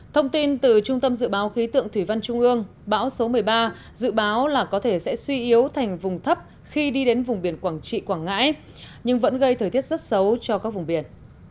thông tin từ trung tâm dự báo khí tượng thủy văn trung ương bão số một mươi ba dự báo là có thể sẽ suy yếu thành vùng thấp khi đi đến vùng biển quảng trị quảng ngãi nhưng vẫn gây thời tiết rất xấu cho các vùng biển